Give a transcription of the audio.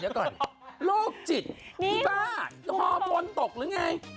เดี๋ยวก่อนโรคจิตอีบ้าฮอร์บนตกหรือไง